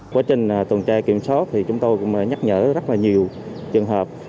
quá trình tuần tra kiểm soát thì chúng tôi cũng nhắc nhở rất là nhiều trường hợp